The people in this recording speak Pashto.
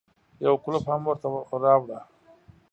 يو کولپ هم ورته راوړه.